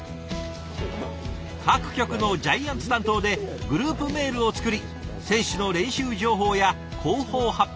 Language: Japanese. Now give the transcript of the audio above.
各局のジャイアンツ担当でグループメールを作り選手の練習情報や広報発表